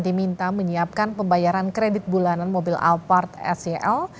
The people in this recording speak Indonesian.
diminta menyiapkan pembayaran kredit bulanan mobil alphard sel